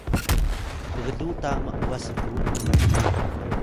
pgluw ta m’was ru myugiy